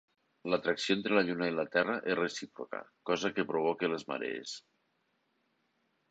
L'atracció entre la Lluna i la Terra és recíproca, cosa que provoca les marees.